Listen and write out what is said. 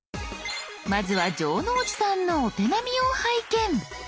まずは城之内さんのお手並みを拝見。